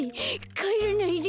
かえらないで！